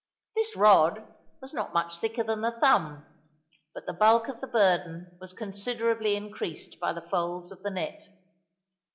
This rod was not much thicker than the thumb, but the bulk of the burden was considerably increased by the folds of the net.